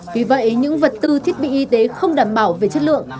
vì vậy những vật tư thiết bị y tế không đảm bảo về chất lượng